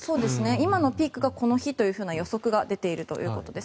今のピークがこの日という予測が出ているということです。